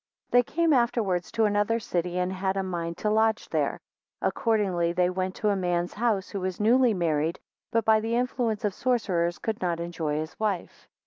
THEY came afterwards to another city, and had a mind to lodge there. 2 Accordingly they went to a man's house, who was newly married but by the influence of sorcerers could not enjoy his wife.